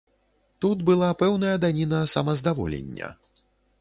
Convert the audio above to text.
Тут была пэўная даніна самаздаволення.